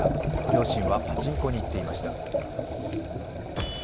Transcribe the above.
両親はパチンコに行っていました。